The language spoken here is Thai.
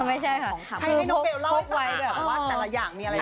ไม่ใช่ค่ะคือพกไว้แบบว่าแต่ละอย่างมีอะไร